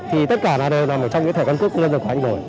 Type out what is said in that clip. thì tất cả đều là một trong những thẻ căn cước công dân của anh rồi